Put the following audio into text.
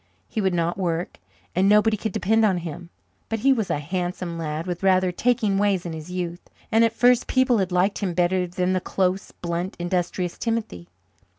He would not work and nobody could depend on him, but he was a handsome lad with rather taking ways in his youth, and at first people had liked him better than the close, blunt, industrious Timothy.